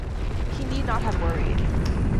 He need not have worried.